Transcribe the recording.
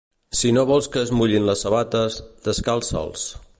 Si no vols que es mullin les sabates, descalça'ls.